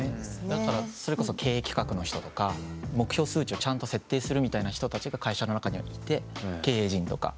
だからそれこそ経営企画の人とか目標数値をちゃんと設定するみたいな人たちが会社の中にはいて経営陣とか。